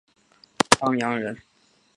丹阳人。